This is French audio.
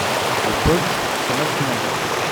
Le POLT, c’est maintenant